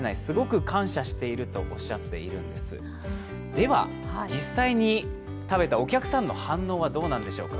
では実際に食べたお客さんの反応はどうなんでしょうか。